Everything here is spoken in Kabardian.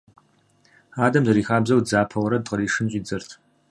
Адэм, зэрихабзэу, дзапэ уэрэд къришын щIидзэрт.